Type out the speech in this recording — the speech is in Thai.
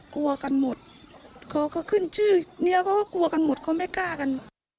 กลัวกันหมดเขาก็ขึ้นชื่อเมียเขาก็กลัวกันหมดเขาไม่กล้ากัน